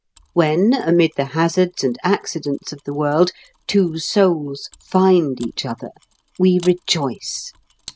When, amid the hazards and accidents of the world, two souls "find each other," we rejoice.